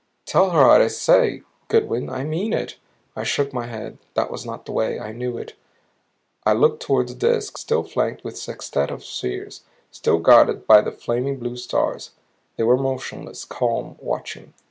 "Tell her what I say, Goodwin. I mean it." I shook my head. That was not the way, I knew. I looked toward the Disk, still flanked with its sextette of spheres, still guarded by the flaming blue stars. They were motionless, calm, watching.